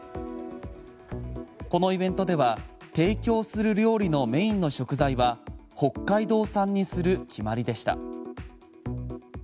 このイベントでは提供する料理のメインの食材は北海道産にする決まりでした。